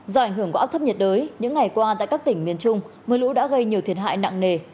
do ảnh hưởng của áp thấp nhiệt đới những ngày qua tại các tỉnh miền trung mưa lũ đã gây nhiều thiệt hại nặng nề